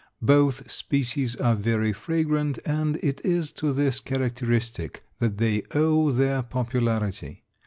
Both species are very fragrant and it is to this characteristic that they owe their popularity.